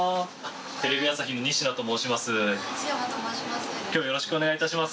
テレビ朝日の仁科と申します。